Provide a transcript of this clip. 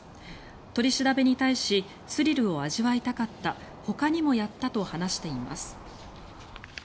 取り調べに対しスリルを味わいたかったほかにもやったと話しています。